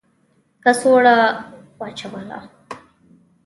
کڅوړه و چاودله .